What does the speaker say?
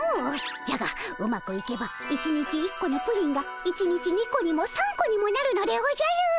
じゃがうまくいけば１日１個のプリンが１日２個にも３個にもなるのでおじゃる！